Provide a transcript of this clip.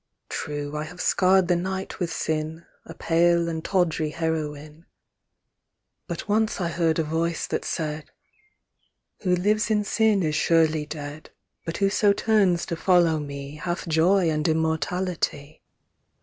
True, I have scarred the night with sin, A pale and tawdry heroine; But once I heard a voice that said 'Who lives in sin is surely dead, But whoso turns to follow me Hath joy and immortality.'"